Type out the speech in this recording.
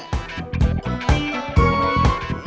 siapa gue maksudnya